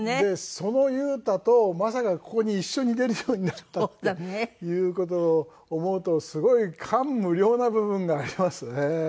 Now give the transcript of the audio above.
その裕太とまさかここに一緒に出るようになるとはっていう事を思うとすごい感無量な部分がありますね。